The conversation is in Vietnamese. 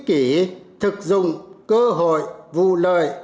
sống ích kỷ thực dụng cơ hội vù lợi